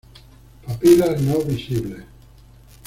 Papilas no visibles.